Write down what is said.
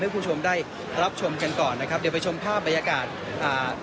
คุณผู้ชมได้รับชมกันก่อนนะครับเดี๋ยวไปชมภาพบรรยากาศอ่า